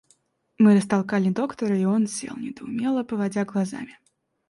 Мы растолкали доктора, и он сел, недоумело поводя глазами.